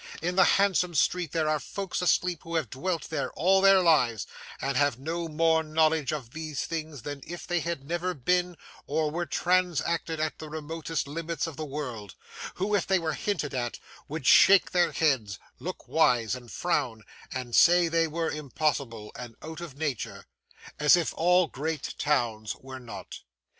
In the handsome street, there are folks asleep who have dwelt there all their lives, and have no more knowledge of these things than if they had never been, or were transacted at the remotest limits of the world,—who, if they were hinted at, would shake their heads, look wise, and frown, and say they were impossible, and out of Nature,—as if all great towns were not.